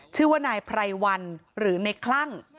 ชื่อว่านายไพรวันหรือในคลั่ง